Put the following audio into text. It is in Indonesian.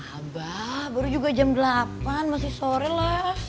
abah baru juga jam delapan masih sore lah